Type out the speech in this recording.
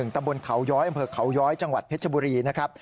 ตำบลเขาย้อยอำเภอเขาย้อยจังหวัดเพชรบุรีนะครับ